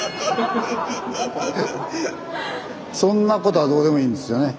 そんなことはどうでもいいんですよね。